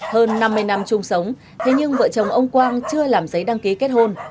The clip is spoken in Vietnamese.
hơn năm mươi năm chung sống thế nhưng vợ chồng ông quang chưa làm giấy đăng ký kết hôn